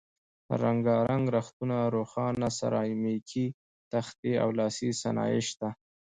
رنګ رنګ رختونه، روښانه سرامیکي تختې او لاسي صنایع شته.